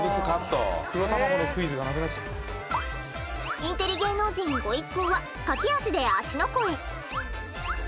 インテリ芸能人ご一行は駆け足で芦ノ湖へ。